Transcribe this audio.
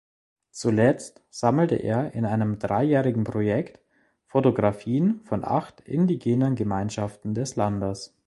Zuletzt sammelte er in einem dreijährigen Projekt Fotografien von acht indigenen Gemeinschaften des Landes.